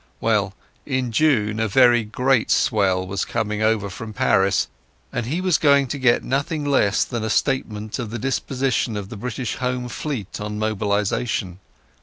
Well, in June a very great swell was coming over from Paris, and he was going to get nothing less than a statement of the disposition of the British Home Fleet on mobilization.